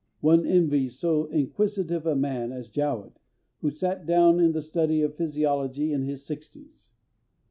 One envies so inquisitive a man as Jowett, who sat down to the study of physiology in his sixties.